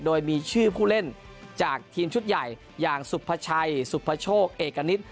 โดยมีชื่อผู้เล่นจากทีมชุดใหญ่อย่างสุภาชัยสุภโชคเอกณิต